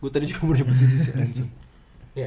gua tadi juga ngomongin posisi lansun